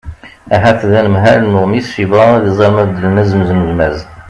ahat d anemhal n uɣmis yebɣa ad iẓer ma beddlen azemz n uzmaz